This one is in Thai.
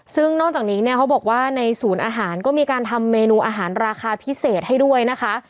ซึ่งนอกจากนี้เนี่ยเขาบอกว่าในศูนย์อาหารก็มีการทำเมนูอาหารราคาพิเศษให้ด้วยนะคะ